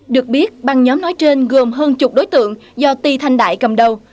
được biết băng nhóm nói trên gồm hơn chục đối tượng do ti thanh đại cầm đầu